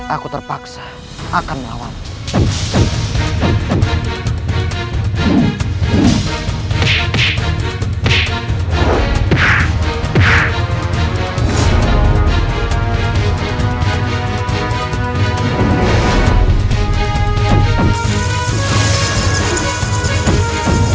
aku terpaksa akan melawanmu